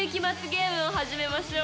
ゲームを始めましょう。